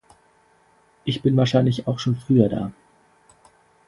Ich bin wahrscheinlich auch schon früher da.